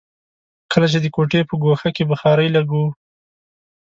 کله چې د کوټې په ګوښه کې بخارۍ لګوو.